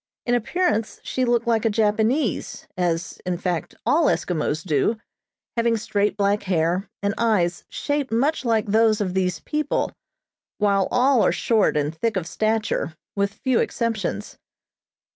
In appearance she looked like a Japanese, as, in fact, all Eskimos do, having straight black hair, and eyes shaped much like those of these people, while all are short and thick of stature, with few exceptions.